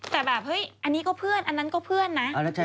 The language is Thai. แต่แบบเฮ้ยอันนี้ก็เพื่อนอันนั้นก็เพื่อนนะ